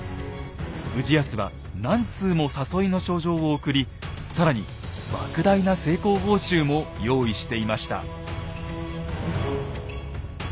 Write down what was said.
氏康は何通も誘いの書状を送り更に莫大な成功報酬も用意していました。